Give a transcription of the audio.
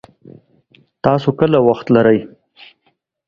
تاسو کله وخت لري